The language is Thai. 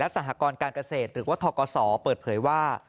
สหกรการเกษตรหรือว่าทกศเปิดเผยว่า